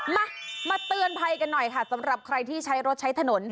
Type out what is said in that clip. มามาเตือนภัยกันหน่อยค่ะสำหรับใครที่ใช้รถใช้ถนน